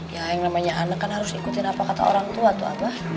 ya yang namanya anak kan harus ikutin apa kata orang tua atau apa